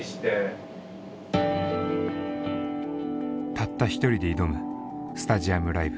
たった１人で挑むスタジアムライブ。